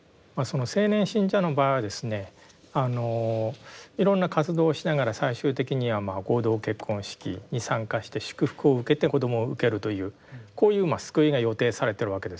青年信者の場合はですねあのいろんな活動をしながら最終的には合同結婚式に参加して祝福を受けて子どもを受けるというこういう救いが予定されてるわけですよね。